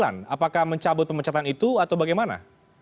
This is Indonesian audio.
apakah mencabut pemecatan itu atau bagaimana